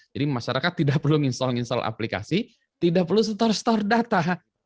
jadi masyarakat tidak perlu install install aplikasi tidak perlu store store data